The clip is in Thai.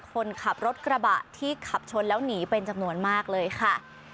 คนขับรถกระบะที่ขับชนแล้วหนีเป็นจำนวนมากเลยค่ะ